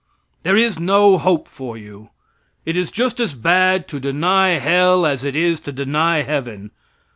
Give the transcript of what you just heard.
There is no hope for you. It is just as bad to deny hell as it is to deny heaven.